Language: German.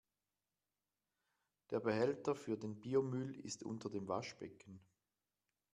Der Behälter für den Biomüll ist unter dem Waschbecken.